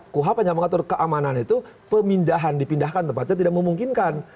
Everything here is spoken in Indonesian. kuh penyamang atur keamanan itu pemindahan dipindahkan tempatnya tidak memungkinkan